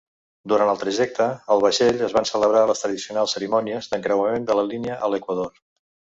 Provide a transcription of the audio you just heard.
Durant el trajecte, al vaixell es van celebrar les tradicionals cerimònies d'encreuament de la línia a l'equador.